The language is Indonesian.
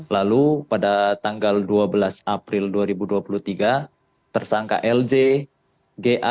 lalu pada tanggal dua belas april dua ribu dua puluh tiga tersangka lj ga